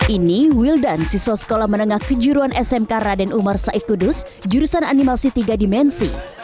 ini wildan siswa sekolah menengah kejuruan smk raden umar saif kudus jurusan animasi tiga dimensi